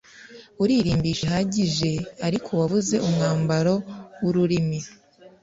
uririmbisha bihagije ariko wabuze umwabaro wu rurimi